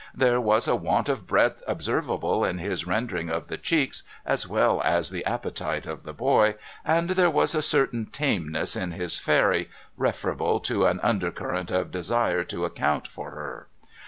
There was a want of breadth observable in his rendering of the cheeks, as well as the appetite, of the boy ; and there was a certain tameness in his fair} , referable to an under current of desire to account for her.